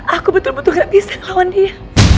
aku betul betul gak bisa ngelawan dia